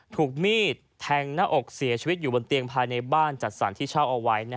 ถูกมีดแทงหน้าอกเสียชีวิตอยู่บนเตียงภายในบ้านจัดสรรที่เช่าเอาไว้